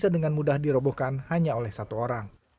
dan mudah dirobohkan hanya oleh satu orang